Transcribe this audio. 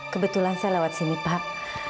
kebetulan saya lewat sini pub